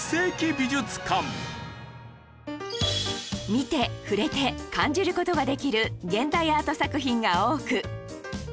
見て触れて感じる事ができる現代アート作品が多く